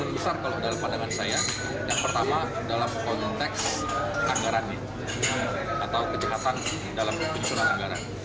yang pertama kalau dalam pandangan saya yang pertama dalam konteks anggarannya atau kejahatan dalam penyusuran anggaran